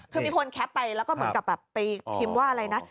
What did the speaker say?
คือมีคนแคปไปแล้วก็เหมือนกับแบบไปพิมพ์ว่าอะไรนะ